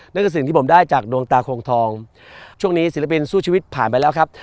นั่นคือสิ่งที่ผมได้จากดวงตาโครงทองช่วงนี้ศิลปินสู้ชีวิตผ่านไปแล้วครับ